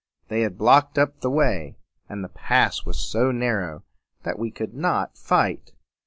They had blocked up the way; and the pass was so narrow that we could not fight.